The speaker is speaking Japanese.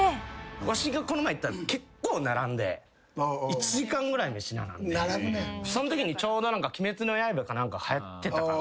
わしがこの前行った結構並んで１時間ぐらい飯並んでそんときにちょうど『鬼滅の刃』か何かはやってた。